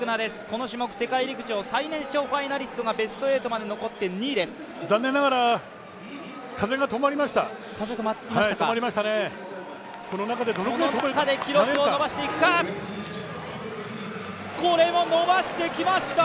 この種目世界陸上最年少ファイナリストがベスト８まで残って２位です残念ながら風が止まりました。